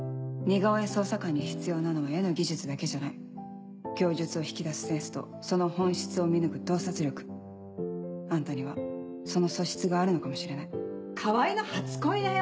捜査官に必要なのは絵の技術だけじゃ供述を引き出すセンスとその本質を見抜くあんたにはその素質があるのかもしれない川合の初恋だよ